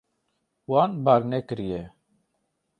Wan bar nekiriye.